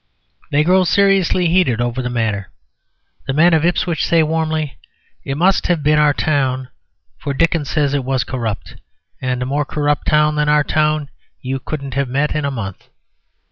They grow seriously heated over the matter. The men of Ipswich say warmly, "It must have been our town; for Dickens says it was corrupt, and a more corrupt town than our town you couldn't have met in a month."